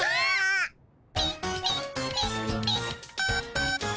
ピッピッピッピッ。